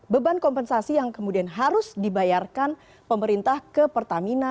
beban kompensasi yang kemudian harus dibayarkan pemerintah ke pertamina